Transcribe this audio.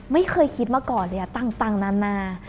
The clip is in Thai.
ไม่เคยคิดมาก่อนเลยต่างนานา